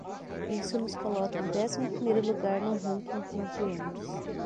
Isso nos coloca em décimo primeiro lugar no ranking de idiomas.